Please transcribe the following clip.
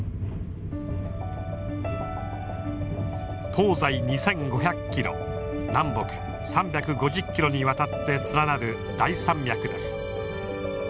東西２，５００ｋｍ南北３５０ｋｍにわたって連なる大山脈です。